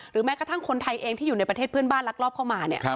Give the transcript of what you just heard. แม้กระทั่งคนไทยเองที่อยู่ในประเทศเพื่อนบ้านลักลอบเข้ามา